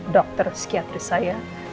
dokter psikiatris saya